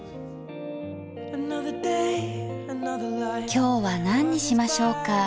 今日は何にしましょうか？